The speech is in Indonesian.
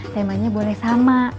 temanya boleh sama